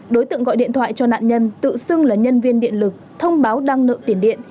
đối tượng gọi điện thoại cho nạn nhân tự xưng là nhân viên điện lực thông báo đăng nợ tiền điện